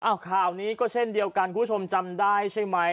ข่าวนี้ก็เช่นเดียวกันคุณผู้ชมจำได้ใช่ไหม